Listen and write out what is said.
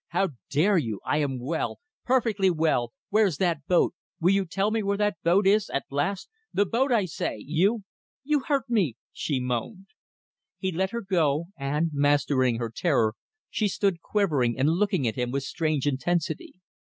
"How dare you! I am well perfectly well. ... Where's that boat? Will you tell me where that boat is at last? The boat, I say ... You! ..." "You hurt me," she moaned. He let her go, and, mastering her terror, she stood quivering and looking at him with strange intensity.